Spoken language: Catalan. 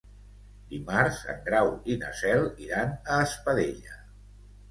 Dimarts en Grau i na Cel iran a Espadella.